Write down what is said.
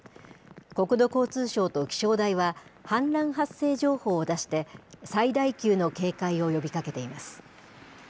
国土交通省と気象台は、氾濫発生情報を出して、最大級の警戒を呼びかけています。